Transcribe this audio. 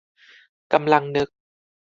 กำลังนึก